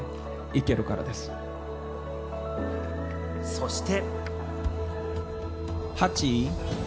そして。